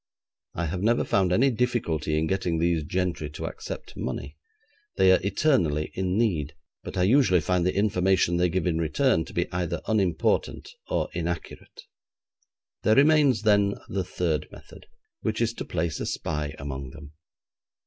I have never found any difficulty in getting these gentry to accept money. They are eternally in need, but I usually find the information they give in return to be either unimportant or inaccurate. There remains, then, the third method, which is to place a spy among them.